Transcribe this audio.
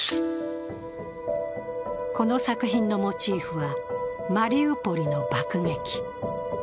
この作品のモチーフはマリウポリの爆撃。